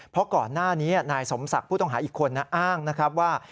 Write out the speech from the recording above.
เพราะก่อนหน้านี้นายสมศักดิ์ผู้ต้องหาอีกคนอ้างนะครับว่า